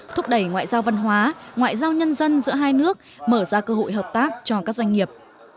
thúc đẩy ngoại giao văn hóa ngoại giao nhân dân giữa hai nước mở ra cơ hội hợp tác cho các doanh nghiệp